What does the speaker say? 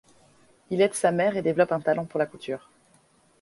Il aide sa mère et développe un talent pour la couture.